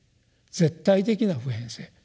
絶対的な普遍性。